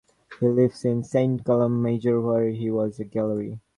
He lives in Saint Columb Major where he has a gallery.